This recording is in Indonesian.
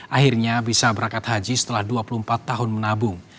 akhirnya bisa berangkat haji setelah dua puluh empat tahun menabung